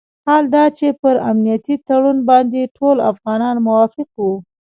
حال دا چې پر امنیتي تړون باندې ټول افغانان موافق وو.